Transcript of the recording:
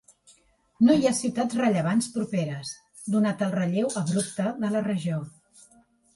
No hi ha ciutats rellevants properes, donat el relleu abrupte de la regió.